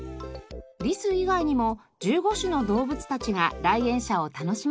リス以外にも１５種の動物たちが来園者を楽しませています。